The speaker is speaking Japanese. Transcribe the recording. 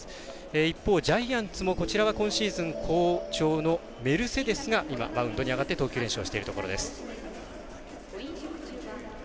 一方、ジャイアンツもこちらも今シーズン好調のメルセデスが今、マウンドに上がって投球練習をしているところです。